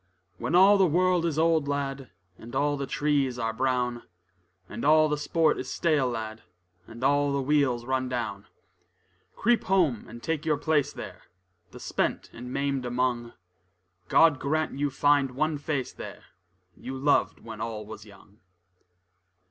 When all the world is old, lad, And all the trees are brown; And all the sport is stale, lad, And all the wheels run down: Creep home and take your place there, The spent and maimed among: God grant you find one face there, You loved when all was young.